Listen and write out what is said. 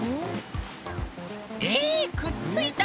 ええくっついた！